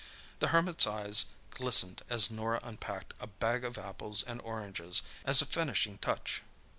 The Hermit's eyes glistened as Norah unpacked a bag of apples and oranges as a finishing touch.